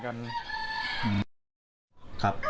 อธิบายนะครับ